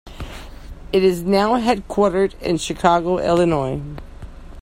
It is now headquartered in Chicago, Illinois.